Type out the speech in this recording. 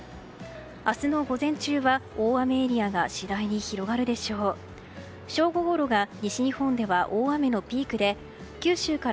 明日の午前中は大雨エリアが次第に広がるでしょうか。